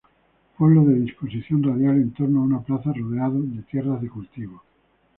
Pueblo de disposición radial en torno a una plaza rodeado de tierras de cultivo.